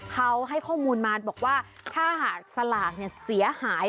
เขาให้ข้อมูลมาบอกว่าถ้าหากสลากเสียหาย